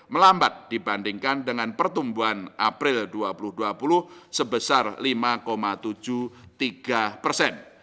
melambat dibandingkan dengan pertumbuhan april dua ribu dua puluh sebesar lima tujuh puluh tiga persen